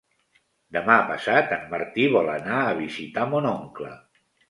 Demà passat en Martí vol anar a visitar mon oncle.